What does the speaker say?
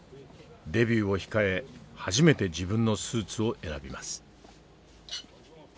デビューを控え初めて自分のスーツを選びます。